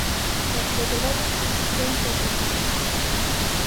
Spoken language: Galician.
E, desde logo, isto é insoportable.